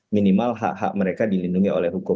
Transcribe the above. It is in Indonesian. minimal hak hak mereka dilindungi oleh hukum